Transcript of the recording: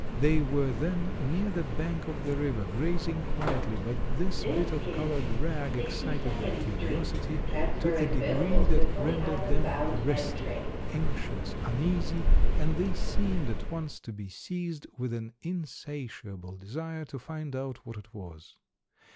They were then near the bank of the river, grazing quietly, but this bit of colored rag excited their curiosity to a degree that rendered them restive, anxious, uneasy, and they seemed at once to be seized with an insatiable desire to find out what it was.